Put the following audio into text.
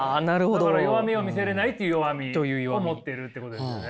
だから弱みを見せれないという弱みを持ってるってことですよね。